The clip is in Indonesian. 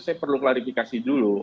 saya perlu klarifikasi dulu